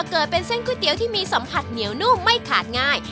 เกิดเป็นเส้นก๋วยเตี๋ยวที่มีสัมผัสเหนียวนุ่มไม่ขาดง่าย